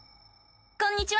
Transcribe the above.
こんにちは！